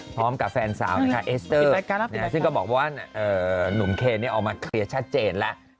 พร้อมกับแฟนสาวนะคะเอสเตอร์ซึ่งก็บอกว่าหนุ่มเคนออกมาเคลียร์ชัดเจนแล้ว